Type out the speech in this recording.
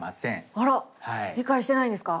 理解してないんですか？